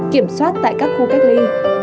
kiểm soát tại các khu cách ly